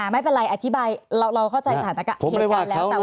ไม่เป็นไรอธิบายเราเข้าใจสถานการณ์เหตุการณ์แล้ว